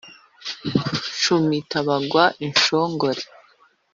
Nshumita bagwa inshongore